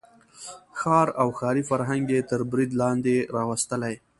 ښار او ښاري فرهنګ یې تر برید لاندې راوستلی.